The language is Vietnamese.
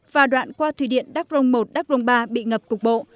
và đoạn qua thủy điện đắc rồng một đắc rồng ba bị ngập cục bộ